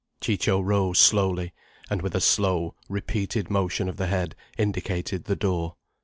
Ciccio rose slowly, and with a slow, repeated motion of the head, indicated the door.